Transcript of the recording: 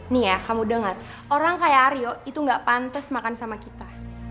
nih ya kamu dengar orang kayak aryo itu nggak pantas makan sama kita